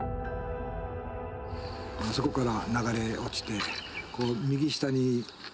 あそこから流れ落ちて右下に。